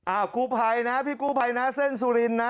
อ่ากูภัยนะพี่กูภัยนะเส้นสุรินนะ